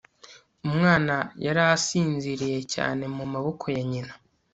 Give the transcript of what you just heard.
umwana yari asinziriye cyane mu maboko ya nyina